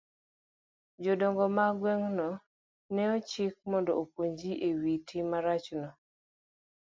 Jodongo mag gweng'no ne ochik mondo opuonj ji e wi tim marachno.